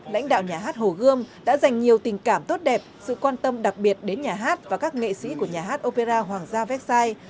lãnh đạo nhà hát hồ gươm đã dành nhiều tình cảm tốt đẹp sự quan tâm đặc biệt đến nhà hát và các nghệ sĩ của nhà hát opera hoàng gia vecsai